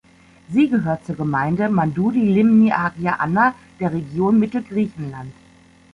Sie gehört zur Gemeinde Mandoudi-Limni-Agia Anna der Region Mittelgriechenland.